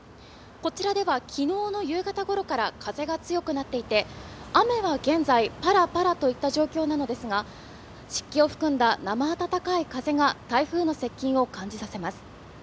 こちらでは昨日の夕方ごろから風が強くなっていて雨は現在パラパラといった状況なのですが湿気を含んだなま温かい風が台風の接近を感じさせます。